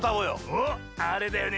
おっあれだよね？